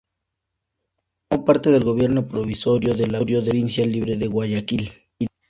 Formó parte del gobierno provisorio de la Provincia Libre de Guayaquil.